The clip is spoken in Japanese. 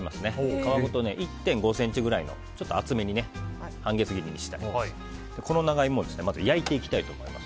皮ごと１．５ｃｍぐらいのちょっと厚めに半月切りにします。